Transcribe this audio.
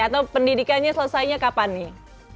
atau pendidikannya selesainya kapan nih